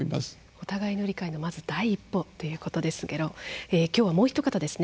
お互いの理解のまず第一歩ということですけど今日はもう一方ですね